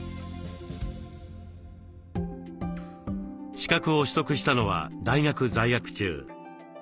資格を取得したのは大学在学中。